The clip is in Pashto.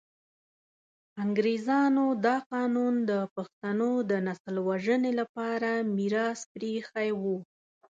انګریزانو دا قانون د پښتنو د نسل وژنې لپاره میراث پرې ایښی وو.